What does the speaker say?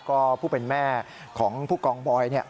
ก็ผู้เป็นแม่ของผู้กองบอย